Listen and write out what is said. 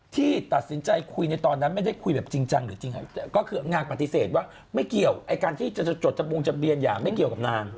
ที่ตัดสินใจคุยในตอนนั้นไม่ได้คุยแบบจริงจังหรือจริงก็คือนางปฏิเสธว่าไม่เกี่ยวไอ้การที่จะจดจำบงทะเบียนอย่าไม่เกี่ยวกับนาง